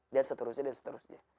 dan seterusnya dan seterusnya